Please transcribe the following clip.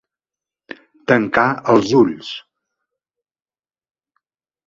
Tancar els ulls.